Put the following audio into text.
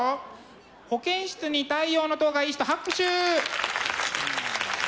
「保健室に太陽の塔」がいい人拍手！